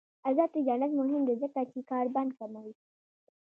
آزاد تجارت مهم دی ځکه چې کاربن کموي.